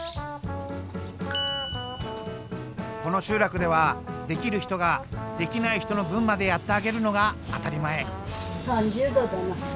この集落ではできる人ができない人の分までやってあげるのが当たり前。